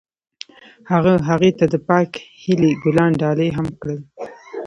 هغه هغې ته د پاک هیلې ګلان ډالۍ هم کړل.